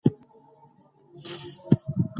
افغانانو د خپلو سرتېرو چمتووالی وکړ.